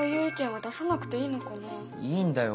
いいんだよ。